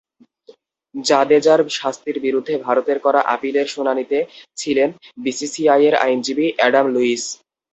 জাদেজার শাস্তির বিরুদ্ধে ভারতের করা আপিলের শুনানিতে ছিলেন বিসিসিআইয়ের আইনজীবী অ্যাডাম লুইস।